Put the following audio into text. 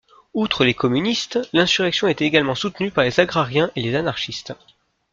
Outre les communistes, l’insurrection était également soutenue par les agrariens et les anarchistes.